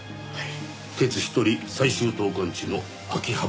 鉄１人最終投函地の秋葉原駅へ。